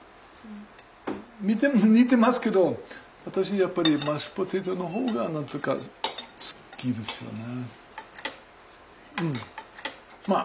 似てますけど私やっぱりマッシュポテトの方が何て言うか好きですよね。